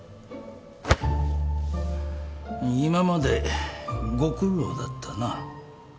今までご苦労だったな。